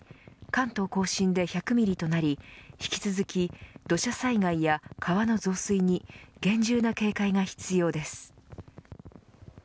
関東甲信で１００ミリとなり引き続き、土砂災害や川の増水に厳重な警戒が必要です。